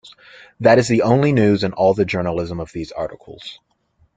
That is the only 'news' in all the journalism of these articles.